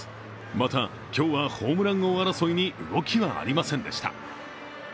また今日はホームラン王争いに動きはありませんでした。